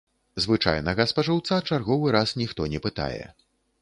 Звычайнага спажыўца чарговы раз ніхто не пытае.